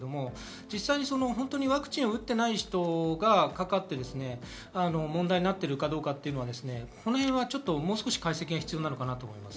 実際、ワクチンを打っていない人がかかって問題になっているかどうか、この辺はもう少し解析が必要だと思います。